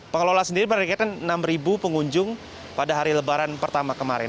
pengelola sendiri menaikkan enam pengunjung pada hari lebaran pertama kemarin